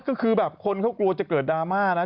ก็คือแบบคนเขากลัวจะเกิดดราม่านะ